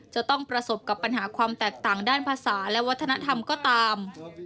จะต้องประสบกับปัญหาความแตกต่างด้านภาษาและวัฒนธรรมก็ตาม